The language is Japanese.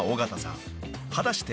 ［果たして］